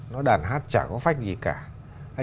nó đàn hát chả có phách gì cả